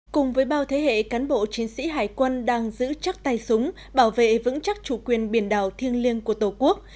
cùng với bao thế hệ cán bộ chiến sĩ hải quân đang giữ chắc tay súng bảo vệ vững chắc chủ quyền biển đảo thiêng liêng của tổ quốc